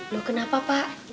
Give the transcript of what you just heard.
loh kenapa pak